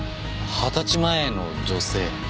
二十歳前の女性。